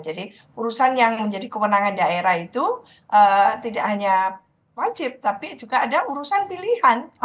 jadi urusan yang menjadi kewenangan daerah itu tidak hanya wajib tapi juga ada urusan pilihan